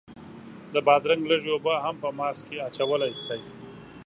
د بادرنګ لږې اوبه هم په ماسک کې اچولی شئ.